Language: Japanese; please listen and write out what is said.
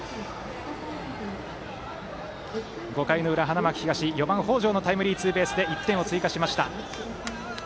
５回の裏、花巻東は４番、北條のタイムリーツーベースで１点を追加しました。